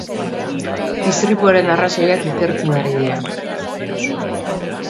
Istripuaren arrazoiak ikertzen ari dira.